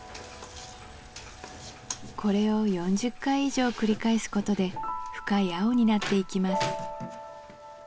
これを４０回以上繰り返すことで深い青になっていきます